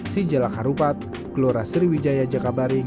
sinjelak harupat gelora sriwijaya jakabaring